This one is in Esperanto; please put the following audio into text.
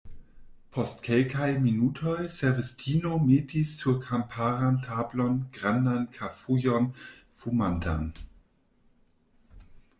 Post kelkaj minutoj, servistino metis sur kamparan tablon grandan kafujon fumantan.